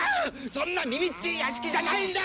そんなみみっちい屋敷じゃないんだ！